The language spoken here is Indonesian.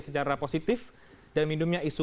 secara positif dan minumnya isu